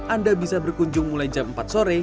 anda bisa berkunjung mulai jam empat sore